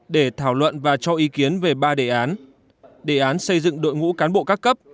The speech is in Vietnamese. để thảo luận và cho ý kiến về ba đề án đề án xây dựng đội ngũ cán bộ các cấp